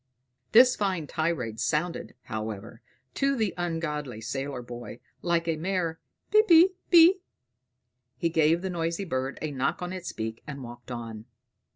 This fine tirade sounded, however, to the ungodly sailor boy like a mere "Pippi pi." He gave the noisy bird a knock on his beak, and walked on.